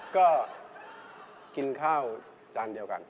ก็กินข้าวจานเดียวกัน